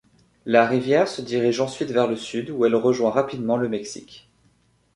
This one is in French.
La rivière se dirige ensuite vers le sud où elle rejoint rapidement le Mexique.